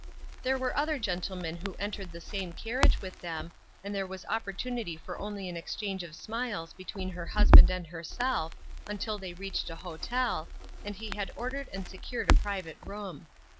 There were other gentlemen who entered the same carriage with them, and there was opportu nity for only an exchange of smiles between her husband and herself, until they reached a hotel, and he had ordered and secured a private room.